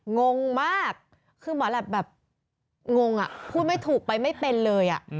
งงมากคือหมอแหลปแบบงงอ่ะพูดไม่ถูกไปไม่เป็นเลย